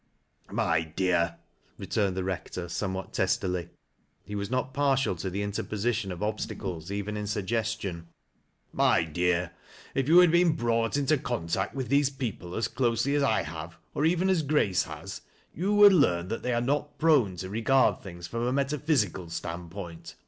" My dear," returned the Rector, somewhat testily — he was not partial to the interposition of obstacles even in sug gestion —" My dear, if you had been brought into contact with these people as closely as I have, or even as Grace has, you would learn that they are not prone to regard things from a metaphysical stand point.